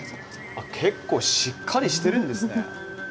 あっ結構しっかりしてるんですね。